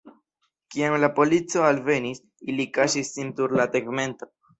Kiam la polico alvenis, ili kaŝis sin sur la tegmento.